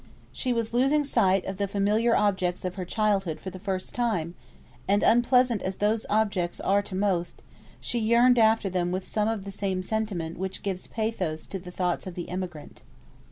She was losing sight of the familiar objects of her childhood for the first time; and unpleasant as those objects are to most, she yearned after them with some of the same sentiment which gives pathos to the thoughts of the emigrant.